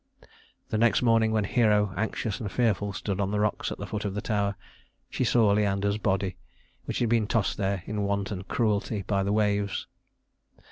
The next morning when Hero, anxious and fearful, stood on the rocks at the foot of the tower, she saw Leander's body, which had been tossed there in wanton cruelty by the waves.